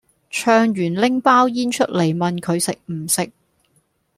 唱完拎包煙出黎問佢食唔食